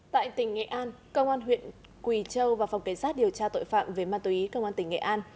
tại tỉnh nghệ an công an huyện quỳ châu và phòng kế sát điều tra tội phạm về ma túy công an tỉnh nghệ an